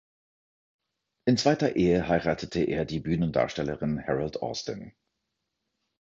In zweiter Ehe heiratete er die Bühnendarstellerin Harold Austin.